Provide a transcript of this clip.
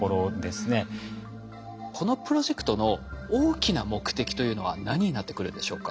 このプロジェクトの大きな目的というのは何になってくるんでしょうか？